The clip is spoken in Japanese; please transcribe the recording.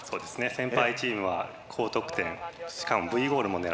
先輩チームは高得点しかもＶゴールも狙える。